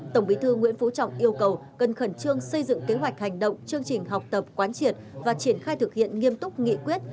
tổng bí thư nguyễn phú trọng yêu cầu cần khẩn trương xây dựng kế hoạch hành động chương trình học tập quán triệt và triển khai thực hiện nghiêm túc nghị quyết